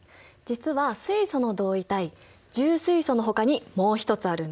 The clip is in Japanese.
実は水素の同位体重水素のほかにもう一つあるんだ。